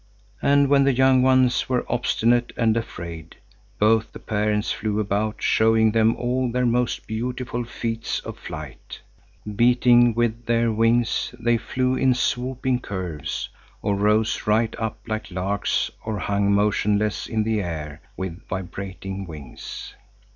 And when the young ones were obstinate and afraid, both the parents flew about, showing them all their most beautiful feats of flight. Beating with their wings, they flew in swooping curves, or rose right up like larks or hung motionless in the air with vibrating wings.